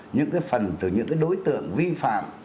những phần từ những đối tượng vi phạm